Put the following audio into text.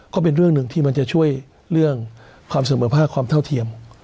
ก็เป็นเรื่องหนึ่งที่มันจะช่วยเรื่องความเสมอภาคความเท่าเทียม